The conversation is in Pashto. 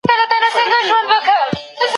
ور سره ښکلی موټر وو نازولی وو د پلار